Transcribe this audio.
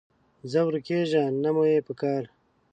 ځه ورکېږه، نه مو یې پکار